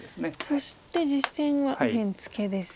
そして実戦は右辺ツケです。